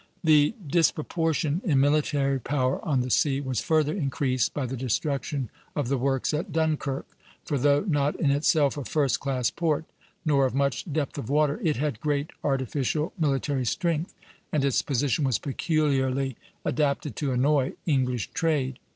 The disproportion in military power on the sea was further increased by the destruction of the works at Dunkirk; for though not in itself a first class port, nor of much depth of water, it had great artificial military strength, and its position was peculiarly adapted to annoy English trade.